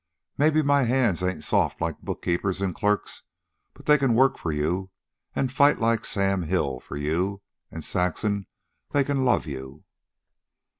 Maybe my hands ain't soft like bookkeepers' an' clerks, but they can work for you, an' fight like Sam Hill for you, and, Saxon, they can love you."